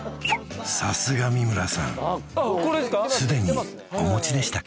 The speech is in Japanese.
さすが三村さん既にお持ちでしたか